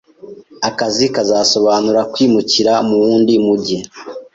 Akazi kazasobanura kwimukira mu wundi mujyi.